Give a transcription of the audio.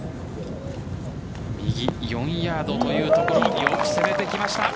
右４ヤードというところよく攻めてきました。